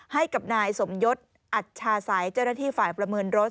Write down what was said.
ให้กับนายสมยศอัชชาศัยเจ้าหน้าที่ฝ่ายประเมินรถ